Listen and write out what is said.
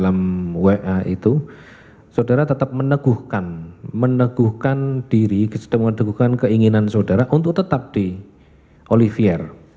jadi ketika saya kembali ke wa saudara tetap meneguhkan meneguhkan diri meneguhkan keinginan saudara untuk tetap di oliver